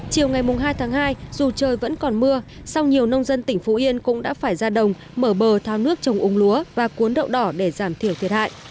chiều ngày hai tháng hai dù trời vẫn còn mưa song nhiều nông dân tỉnh phú yên cũng đã phải ra đồng mở bờ tháo nước trồng úng lúa và cuốn đậu đỏ để giảm thiểu thiệt hại